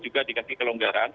juga dikasih kelonggaran